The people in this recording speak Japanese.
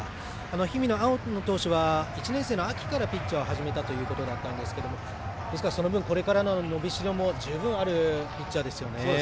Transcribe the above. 氷見の青野投手は１年生の秋からピッチャーを始めたということだったんですけどその分、これからの伸びしろも十分あるピッチャーですよね。